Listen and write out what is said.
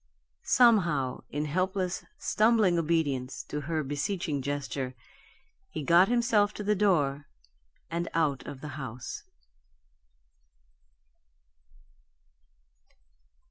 Somehow, in helpless, stumbling obedience to her beseeching gesture, he got himself to the door and out of the house.